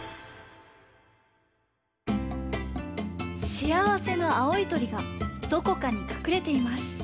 しあわせの青い鳥がどこかにかくれています。